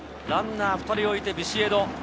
ランナー２人置いてビシエド。